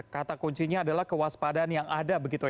kata kuncinya adalah kewaspadaan yang ada